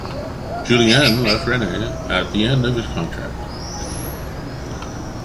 Julienne left Rennes at the end of his contract.